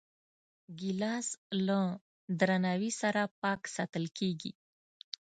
ګیلاس له درناوي سره پاک ساتل کېږي.